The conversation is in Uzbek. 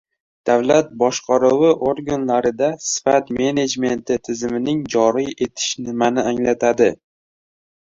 Davlat boshqaruvi organlarida sifat menejmenti tizimining joriy etilishi nimani anglatadi